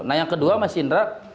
nah yang kedua mas indra